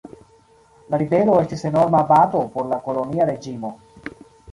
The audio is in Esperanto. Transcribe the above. La ribelo estis enorma bato por la kolonia reĝimo.